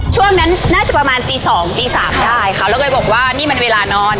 ช่วงนั้นน่าจะประมาณตีสองตีสามได้ค่ะแล้วก็เลยบอกว่านี่มันเวลานอน